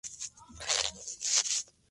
Se suelen añadir tras una hora de cocción.